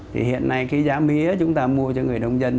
thì hiện nay giá mía chúng ta mua cho người đông dân